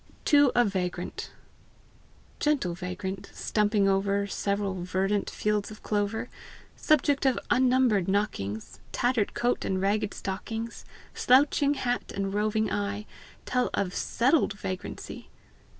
TO A VAGRANT. Gentle vagrant, stumping over Several verdant fields of clover! Subject of unnumbered knockings! Tattered' coat and ragged stockings, Slouching hat and roving eye, Tell of SETTLED vagrancy!